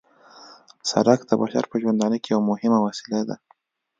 سرک د بشر په ژوندانه کې یوه مهمه وسیله ده